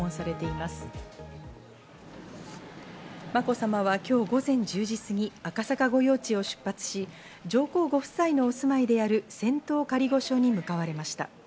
まこさまは今日午前１０時過ぎ、赤坂御用地を出発し、上皇ご夫妻のお住まいである仙洞仮御所に向かわれました。